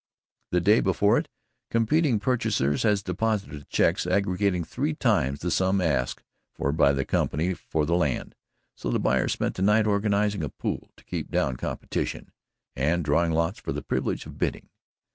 The day before it, competing purchasers had deposited cheques aggregating three times the sum asked for by the company for the land. So the buyers spent the night organizing a pool to keep down competition and drawing lots for the privilege of bidding.